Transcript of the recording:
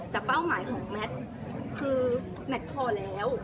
แต่เป้าหมายของแมทคือแมทพอแล้ว